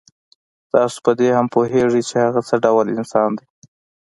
تاسو په دې هم پوهېږئ چې هغه څه ډول انسان دی.